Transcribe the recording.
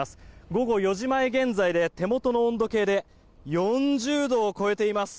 午後４時前現在で手元の温度計で４０度を超えています。